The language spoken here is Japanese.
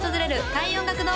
開運音楽堂